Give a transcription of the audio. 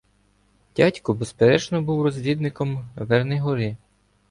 Дядько, безперечно, був розвідником "Вернигори".